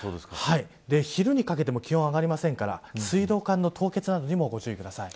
昼にかけても気温は上がらないので水道管の凍結などにもご注意ください。